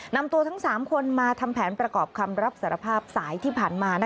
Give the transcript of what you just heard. นำตัวทั้ง๓คนมาทำแผนประกอบคำรับสารภาพสายที่ผ่านมา